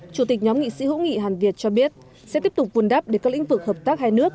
chủ tịch nhóm nghị sĩ hữu nghị hàn việt cho biết sẽ tiếp tục vun đắp để các lĩnh vực hợp tác hai nước